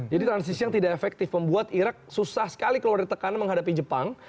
jadi transisi yang tidak efektif membuat irak susah sekali keluar dari tekanan menghadapi jepang